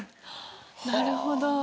なるほど。